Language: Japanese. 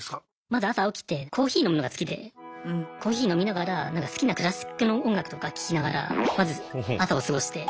まず朝起きてコーヒー飲むのが好きでコーヒー飲みながら好きなクラシックの音楽とか聴きながらまず朝を過ごして。